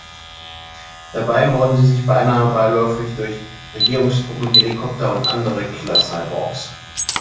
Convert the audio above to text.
Dabei morden sie sich beinahe beiläufig durch Regierungstruppen, Helikopter und andere Killer-Cyborgs.